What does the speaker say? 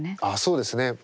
ああそうですね。